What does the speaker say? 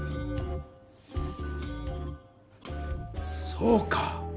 そうか！